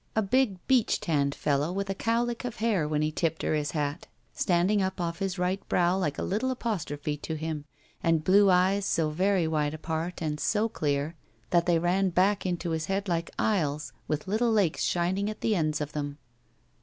A big, beach tanned fellow with a cowlick of hair, when he tipped her his hat, standing up off his right brow like a little apostrophe to him, and blue eyes so very wide apart, and so dear, that they ran back into his head like aisles with Uttle lakes shining at the ends of them.